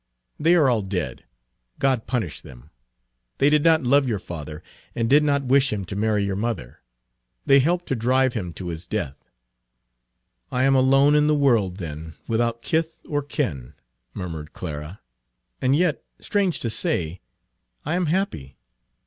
"They are all dead. God punished them. They did not love your father, and did not wish him to marry your mother. They helped to drive him to his death." "I am alone in the world, then, without kith or kin," murmured Clara, "and yet, strange to say, I am happy.